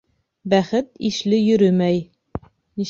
Бәхет ишле йөрөмәй